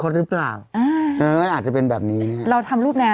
ใช่ไหมล่ะมันจะเข้าที่เข้าทางนี่